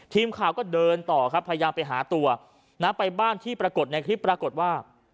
ทีมข่าวก็เดินต่อครับพยายามไปหาตัวนะไปบ้านที่ปรากฏในคลิปปรากฏว่า